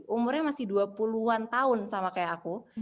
umurnya masih dua puluh an tahun sama kayak aku